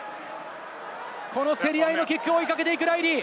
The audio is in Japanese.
この競り合いのキックを追いかけていくライリー。